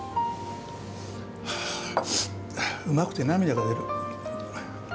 うまくて涙が出る。